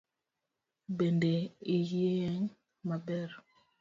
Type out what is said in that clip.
Bende iyieng’ maber?